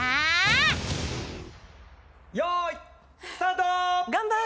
よーいスタート！